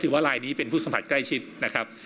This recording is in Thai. ว่าลายนี้เป็นผู้สัมผัสใกล้ชิดนะครับ